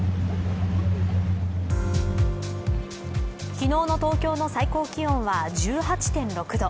昨日の東京の最高気温は１８．６度。